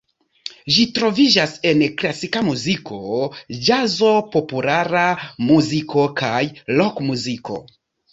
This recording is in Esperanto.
Ĝi troviĝas en klasika muziko, ĵazo, populara muziko kaj rokmuziko.